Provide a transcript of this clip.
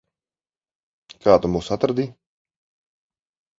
Kā tu mūs atradi?